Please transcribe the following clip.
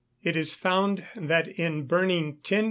_ It is found that in burning 10lb.